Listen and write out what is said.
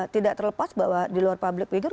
tidak terlepas bahwa di luar public figure